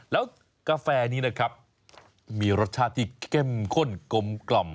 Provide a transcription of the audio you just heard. แล้วกาแฟนี้นะครับมีรสชาติที่เข้มข้นกลม